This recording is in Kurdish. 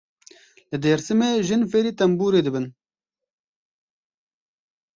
Li Dêrsimê jin fêrî tembûrê dibin.